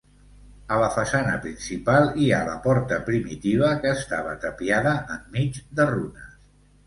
A la façana principal hi ha la porta primitiva que estava tapiada enmig de runes.